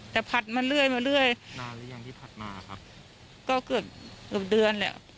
แต่ผัดมาเรื่อยมาเรื่อยนานหรือยังที่ผ่านมาครับก็เกือบเกือบเดือนแล้ว